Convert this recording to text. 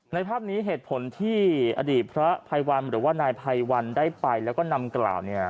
ภาพนี้เหตุผลที่อดีตพระภัยวันหรือว่านายภัยวันได้ไปแล้วก็นำกล่าวเนี่ย